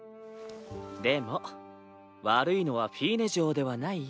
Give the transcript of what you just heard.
でも悪いのはフィーネ嬢ではないよ。